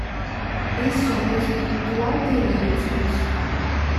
These chapters meet throughout the United States.